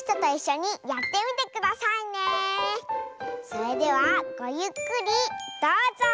それではごゆっくりどうぞ！